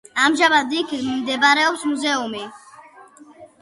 ამჟამად იქ მდებარეობს მუზეუმი.